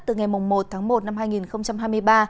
từ ngày một tháng một năm hai nghìn hai mươi ba